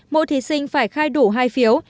mỗi thí sinh phải khai đủ hai phiếu